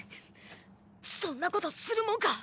そんなことするもんか。